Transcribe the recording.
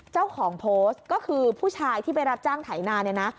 เจ้าของโพสต์ก็คือผู้ชายที่ไปรับจ้างไถนาเนี่ยนะ